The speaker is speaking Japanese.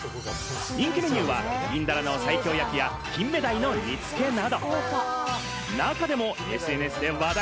人気メニューは銀だらの西京焼きや、金目鯛の煮付けなど、中でもＳＮＳで話題！